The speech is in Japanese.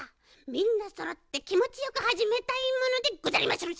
みんなそろってきもちよくはじめたいものでござりまする。